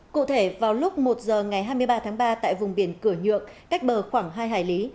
cụ thể vào lúc một giờ ngày hai mươi ba tháng ba tại vùng biển cửa nhược cách bờ khoảng hai hải lý